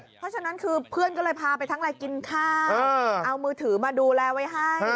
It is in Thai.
เพราะฉะนั้นคือเพื่อนก็เลยพาไปทั้งอะไรกินข้าวเอามือถือมาดูแลไว้ให้